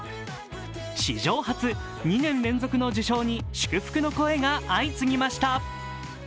史上初２年連続の受賞に祝福の声が相次ぎました。